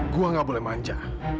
gue gak boleh manja